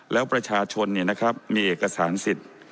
แล้วประชาชนมีเอกสารสิทธิ์